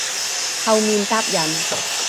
後面搭人